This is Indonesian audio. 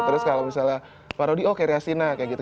terus kalau misalnya farodi oh kayak riasina kayak gitu